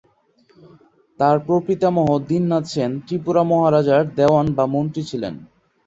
তার প্রপিতামহ দীননাথ সেন ত্রিপুরা মহারাজার দেওয়ান বা মন্ত্রী ছিলেন।